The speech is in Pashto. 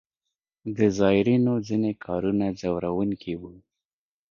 د زایرینو ځینې کارونه ځوروونکي وو.